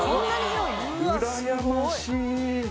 うらやましい！